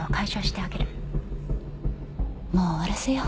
もう終わらせよう。